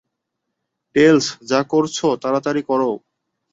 Tales, যা করছ, তাড়াতাড়ি করো।